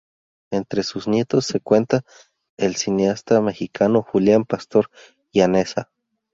Entre sus nietos se cuenta el cineasta mexicano Julián Pastor Llaneza.